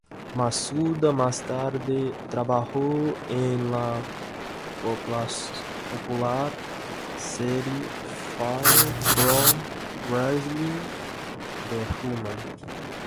Masuda más tarde trabajó en la popular serie Fire Pro Wrestling de Human.